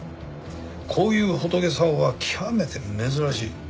こういうホトケさんは極めて珍しい。